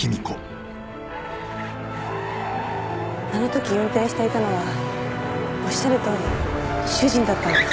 あの時運転していたのはおっしゃるとおり主人だったんです。